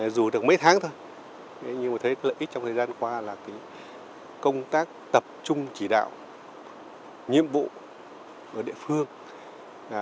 dù được mấy tháng thôi nhưng mà thấy lợi ích trong thời gian qua là công tác tập trung chỉ đạo nhiệm vụ ở địa phương